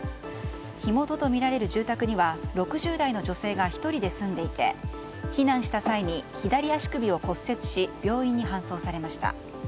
火元とみられる住宅には６０代の女性が１人で住んでいて避難した際に左足首を骨折し病院に搬送されました。